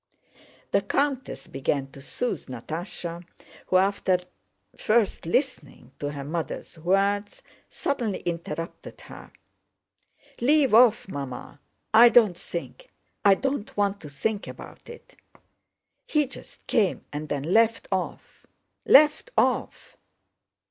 The countess began to soothe Natásha, who after first listening to her mother's words, suddenly interrupted her: "Leave off, Mamma! I don't think, and don't want to think about it! He just came and then left off, left off...."